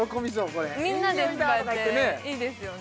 これみんなで使えていいですよね